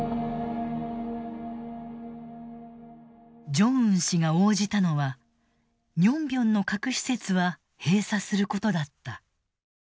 ジョンウン氏が応じたのは寧辺の核施設は閉鎖することだった。